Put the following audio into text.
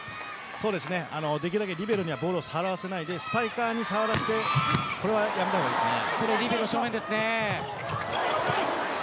できるだけリベロにはサーブを触らせないでスパイカーに触らせるこれはやめたほうがいいですね。